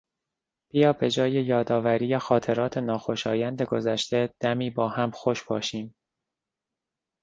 بیا به جای یادآوری خاطرات ناخوشایند گذشته دمی با هم خوش باشیم.